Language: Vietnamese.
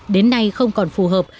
đến nay không còn phù hợp